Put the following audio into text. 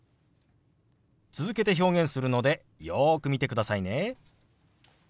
続けて表現するのでよく見てくださいね。